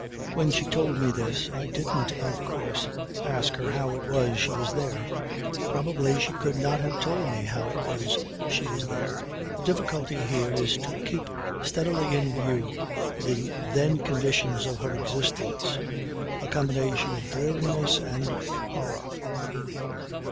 When she told me this, I didn't of course ask her how it was she was there. Probably she could not have told me how it was she was there. The difficulty here is to keep steadily in view the then conditions of her existence, a combination of dreariness and horror.